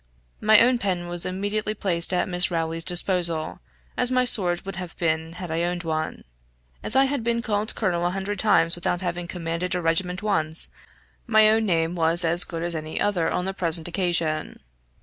My own pen was immediately placed at Miss Rowley's disposal, as my sword would have been, had I owned one. As I had been called colonel a hundred times without having commanded a regiment once, my own name was as good as any other on the present occasion.